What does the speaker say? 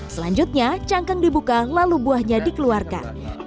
selanjutnya cangkang dibuka lalu buahnya dikeluarkan